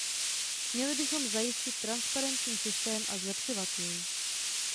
Měli bychom zajistit transparentní systém a zlepšovat jej.